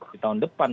di tahun depan